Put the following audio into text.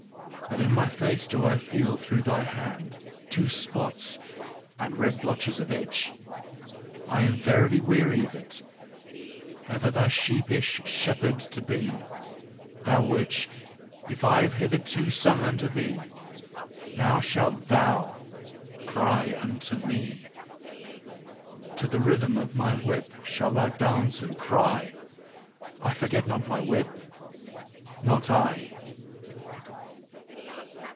But in my face do I feel through thy hand, two spots and red blotches itch! I am verily weary of it, ever thy sheepish shepherd to be. Thou witch, if I have hitherto sung unto thee, now shalt THOU cry unto me! To the rhythm of my whip shalt thou dance and cry! I forget not my whip? Not I!"